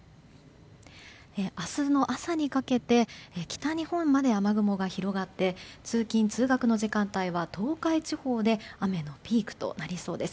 明日の朝にかけて北日本まで雨雲が広がって通勤・通学の時間帯は東海地方で雨のピークとなりそうです。